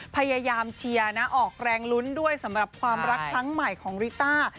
พยายามเชียร์นะออกแรงลุ้นด้วยสำหรับความรักครั้งใหม่ของริต้า